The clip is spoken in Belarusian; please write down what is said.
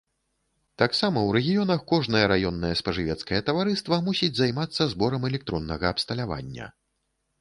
Таксама ў рэгіёнах кожнае раённае спажывецкае таварыства мусіць займацца зборам электроннага абсталявання.